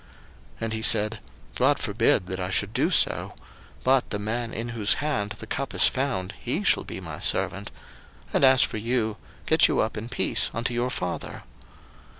01:044:017 And he said, God forbid that I should do so: but the man in whose hand the cup is found, he shall be my servant; and as for you, get you up in peace unto your father.